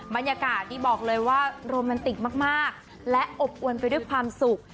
บรรยากาศที่บอกเลยว่าโรแมนติกมากและอบอวนไปด้วยความสุข